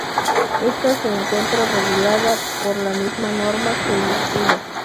Ésta se encuentra regulada por la misma norma que el escudo.